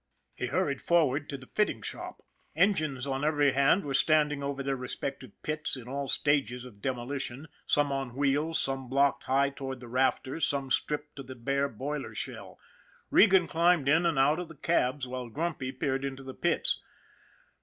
He hurried forward to the fitting shop. Engines on every hand were standing over their respective pits in all stages of demolition, some on wheels, some blocked high toward the rafters, some stripped to the bare boiler shell. Regan climbed in and out of the cabs, while Grumpy peered into the pits.